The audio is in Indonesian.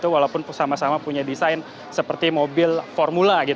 walaupun sama sama punya desain seperti mobil formula